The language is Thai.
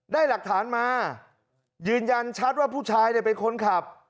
ได้หลักฐานมายืนยันชัดว่าผู้ชายเป็นคนขับ